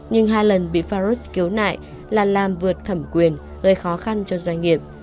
nhưng hai lần bị farus cứu nại là làm vượt thẩm quyền gây khó khăn cho doanh nghiệp